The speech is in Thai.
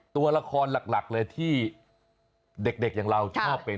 ตัวละครหลักเลยที่เด็กอย่างเราชอบเป็น